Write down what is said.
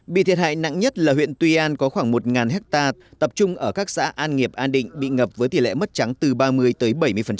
bị thiệt hại nặng nhất là huyện tuy an có khoảng một hectare tập trung ở các xã an nghiệp an định bị ngập với tỷ lệ mất trắng từ ba mươi tới bảy mươi